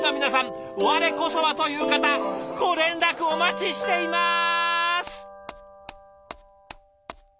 我こそは！という方ご連絡お待ちしています！